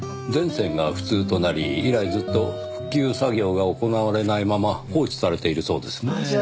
全線が不通となり以来ずっと復旧作業が行われないまま放置されているそうですねぇ。